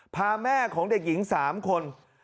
พาแม่ของเด็กหญิง๓คน